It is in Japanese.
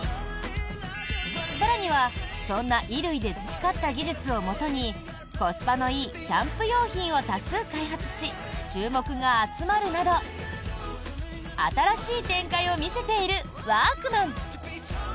更にはそんな衣類で培った技術をもとにコスパのいいキャンプ用品を多数開発し、注目が集まるなど新しい展開を見せているワークマン。